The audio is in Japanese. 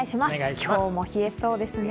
今日も冷えそうですね。